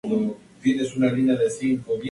Con posterioridad se le añadió la vela.